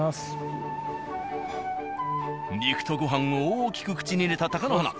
肉とご飯を大きく口に入れた貴乃花。